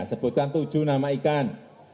sebutkan tujuh nama ikan